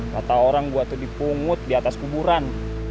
kata orang gue tuh dipungut di atas kuburan